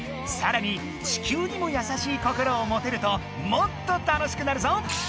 さらに地球にもやさしい心をもてるともっと楽しくなるぞ！